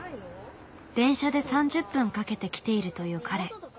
電車で３０分かけて来ているという彼。